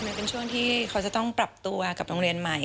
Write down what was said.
มันเป็นช่วงที่เขาจะต้องปรับตัวกับโรงเรียนใหม่